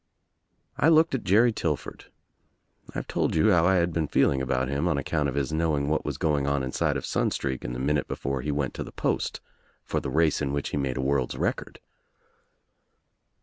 I looked at Jerry Tillford. I've told you how I had been feeling about him on account of his knowing what was going on inside of Sunstreak in the minute before he went to the post for the race in which he made a world's record.